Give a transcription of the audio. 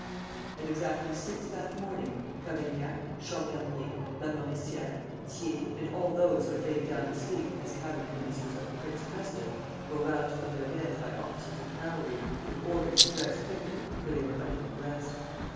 At exactly six that morning, Cavaignac, Changarnier, Lamoricière, Thiers, and all those who had lain down to sleep as cabinet ministers of the prince president, were roused from their beds by officers of cavalry, with orders to dress quickly, for they were under arrest.